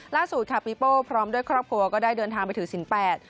ล่าสุดค่ะปีโป้พร้อมด้วยครอบครัวก็ได้เดินทางไปถือศิลป